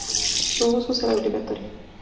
Su uso será obligatorio.